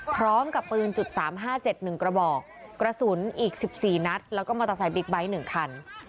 พร้อมกับปืนจุดสามห้าเจ็ดหนึ่งกระบอกกระสุนอีกสิบสี่นัดแล้วก็มอเตอร์ไซด์บิ๊กไบท์หนึ่งคัน